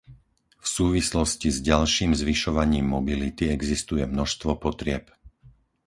V súvislosti s ďalším zvyšovaním mobility existuje množstvo potrieb.